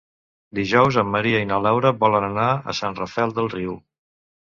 Dijous en Maria i na Laura volen anar a Sant Rafel del Riu.